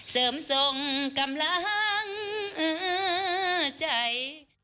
เสริมทรงกำลังเออใจ